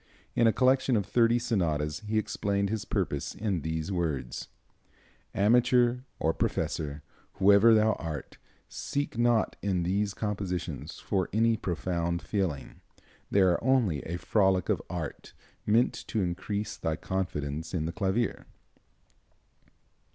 In a collection of thirty sonatas he explained his purpose in these words: "Amateur, or professor, whoever thou art, seek not in these compositions for any profound feeling. They are only a frolic of art, meant to increase thy confidence in the clavier."